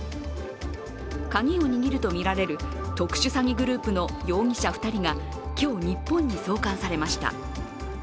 カギを握るとみられる特殊詐欺グループの容疑者２人が今日、日本に送還されました。